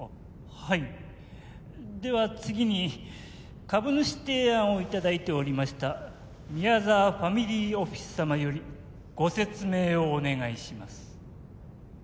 はいでは次に株主提案をいただいておりました宮沢ファミリーオフィス様よりご説明をお願いします